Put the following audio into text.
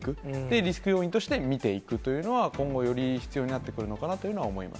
リスク要因として見ていくというのは、今後、より必要になってくるのかなというのは思います。